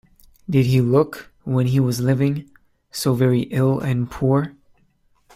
Did he look, when he was living, so very ill and poor?